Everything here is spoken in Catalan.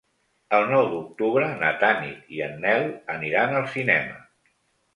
El nou d'octubre na Tanit i en Nel aniran al cinema.